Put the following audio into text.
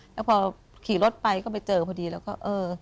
แล้วพอขี่รถไปก็ไปเจอพอดีแล้วก็เออ